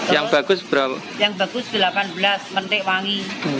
yang bagus delapan belas mentik wangi